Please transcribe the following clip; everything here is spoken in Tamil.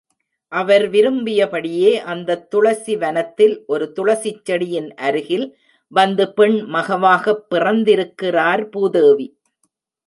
அவர் விரும்பியபடியே அந்தத் துளசி வனத்தில் ஒரு துளசிச் செடியின் அருகில் வந்து பெண் மகவாகப் பிறந்திருக்கிறார் பூதேவி.